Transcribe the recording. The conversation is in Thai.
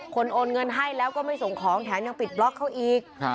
โอนเงินให้แล้วก็ไม่ส่งของแถมยังปิดบล็อกเขาอีก